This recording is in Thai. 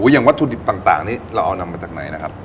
อย่างวัตถุดิบต่างนี้เราเอานำมาจากไหนนะครับ